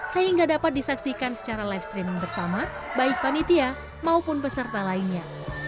sehingga dapat disaksikan secara live streaming bersama baik panitia maupun peserta lainnya